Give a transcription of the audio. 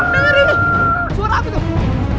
dengar ini suara api tuh